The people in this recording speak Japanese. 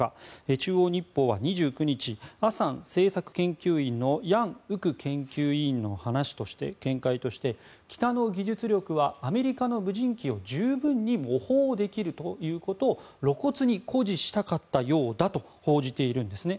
中央日報は２９日峨山政策研究院のヤン・ウク研究委員の話として北の技術力はアメリカの無人機を十分に模倣できるということを露骨に誇示したかったようだと報じているんですね。